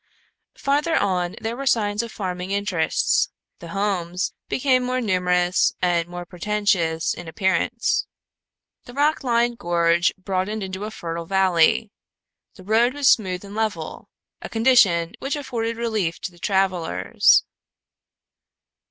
Farther on there were signs of farming interests; the homes became more numerous and more pretentious in appearance. The rock lined gorge broadened into a fertile valley; the road was smooth and level, a condition which afforded relief to the travelers.